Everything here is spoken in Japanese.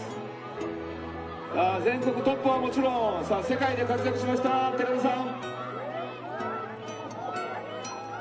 全国トップはもちろん世界で活躍しました寺田さん